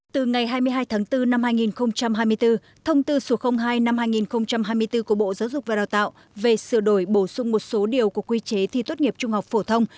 từ ngày hai mươi hai tháng bốn năm hai nghìn hai mươi bốn thông tư số hai năm hai nghìn hai mươi bốn của bộ giáo dục và đào tạo về sửa đổi bổ sung một số điều của quy chế thi tốt nghiệp trung học phổ thông